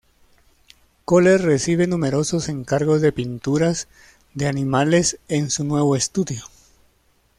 Koller recibe numerosos encargos de pinturas de animales en su nuevo estudio.